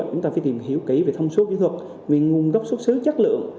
chúng ta phải tìm hiểu kỹ về thông số kỹ thuật về nguồn gốc xuất xứ chất lượng